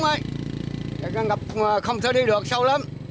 ngập không thể đi được sâu lắm